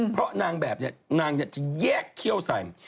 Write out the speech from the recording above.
เพราะนางแบบนี้นางจะแยกเขี้ยวใส่